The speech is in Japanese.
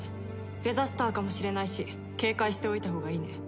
デザスターかもしれないし警戒しておいたほうがいいね。